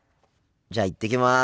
じゃあ行ってきます。